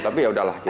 tapi ya udahlah kita